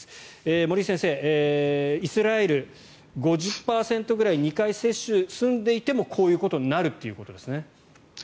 森内先生、イスラエル５０％ぐらい２回接種済んでいてもこういうことになるということですね。